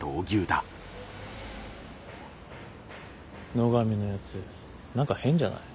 野上のやつ何か変じゃない？